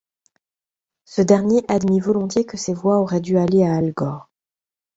Ce dernier admit volontiers que ces voix auraient dû aller à Al Gore.